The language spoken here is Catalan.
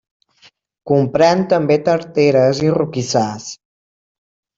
Comprèn també tarteres i roquissars.